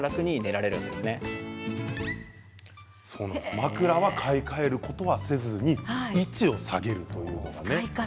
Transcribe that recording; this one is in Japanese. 枕は買い替えることはせずに位置を下げるという。